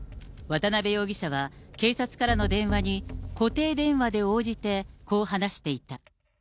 渡辺容疑者は警察からの電話に固定電話で応じて、こう話していた。